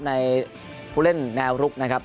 ในผู้เล่นแนวรุกนะครับ